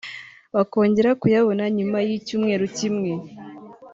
bakongera kuyabona nyuma y’icyumweru kimwe